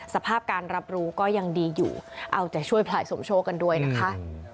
สภาพการรับรู้ก็ยังดีอยู่เอาใจช่วยพลายสมโชคกันด้วยนะคะ